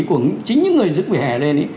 của chính những người dứt vỉa hè lên